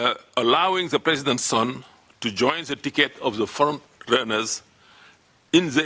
membenarkan anak presiden untuk bergabung dengan tiket penerbangan di pilihan